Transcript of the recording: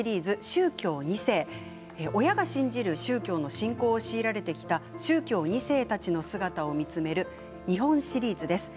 宗教２世親が信じる宗教の信仰を強いられてきた宗教２世たちの姿を見つめる２本シリーズです。